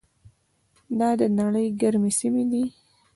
دا د نړۍ ګرمې سیمې دي.